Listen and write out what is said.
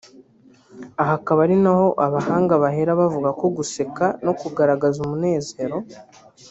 Aha akaba ari naho abahanga bahera bavuga ko guseka no kugaragaza umunezero